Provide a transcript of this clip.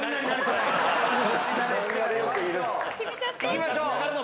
いきましょう。